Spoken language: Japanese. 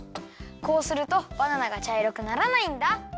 こうするとバナナがちゃいろくならないんだ。